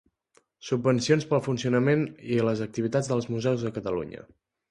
Subvencions per al funcionament i les activitats dels museus de Catalunya.